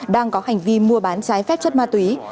đang có hành vi mua bán trái phép chất ma túy